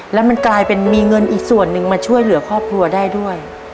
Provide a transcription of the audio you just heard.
แล้วมันกลายเป็นมีเงินอีกส่วนหนึ่งมาช่วยเหลือครอบครัวได้ด้วย